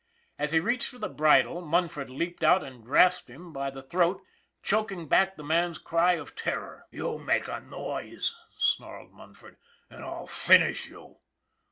As he reached for the bridle, Munford leaped out and grasped him by the throat, choking back the man's cry of terror. 340 ON THE IRON AT BIG CLOUD ' You make a noise," snarled Munford, " and I'll finish you!